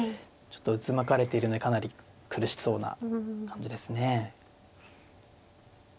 ちょっとうつむかれてるんでかなり苦しそうな感じですね。